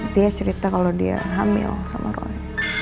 dia cerita kalau dia hamil sama roy